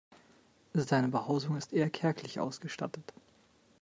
Seine Behausung ist eher kärglich ausgestattet.